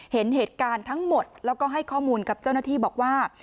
เห็นเหตุการณ์ทั้งหมดแล้วก็ให้ข้อมูลกับเจ้าหน้าที่บอกว่า